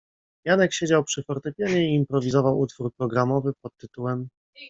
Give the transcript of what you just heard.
Janek siedział przy fortepianie i improwizował utwór programowy pt.